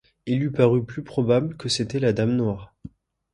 Il lui parut plus probable que c’était la Dame Noire.